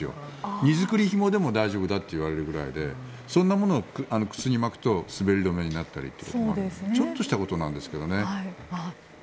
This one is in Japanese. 荷造りひもでも大丈夫だといわれるくらいでそんなものを靴に巻くと滑り止めになったりとちょっとしたことですが。